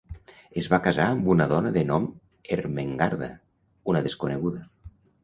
Es va casar amb una dona de nom Ermengarda, una desconeguda.